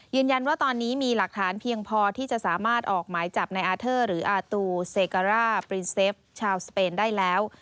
ยืนยันว่าตอนนี้มีหลักฐานเพียงพอที่จะสามารถออกหมายจับในอาเทอร์หรืออาตูเซการ่าปรินเซฟชาวสเปนได้แล้ว